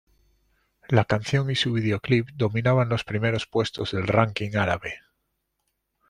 La canción y su videoclip dominaban los primeros puestos del ranking árabe.